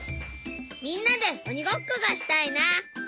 みんなでおにごっこがしたいな。